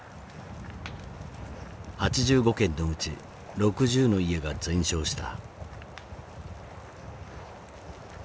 ８５軒のうち６０の家が全焼した。